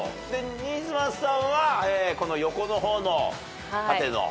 新妻さんはこの横の方の縦の。